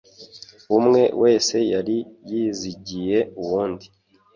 Umwe wese yari yizigiye uwundi